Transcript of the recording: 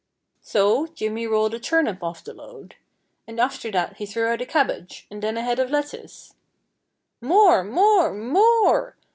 So Jimmy rolled a turnip off the load. And after that he threw out a cabbage, and then a head of lettuce. "More! more! more!"